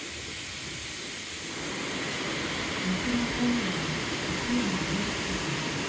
亡くなったのは奥山雄介さん。